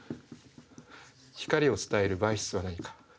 光を伝える媒質は何か？